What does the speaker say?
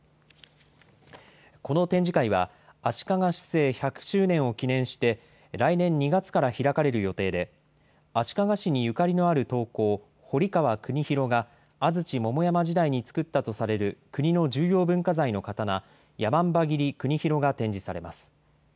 この展示会は足利市制１００周年を記念して、来年２月から開かれる予定で、足利市にゆかりがある刀工、堀川国広が安土桃山時代に作ったとされる国の重要文化財の刀、山姥切国広が展示されます。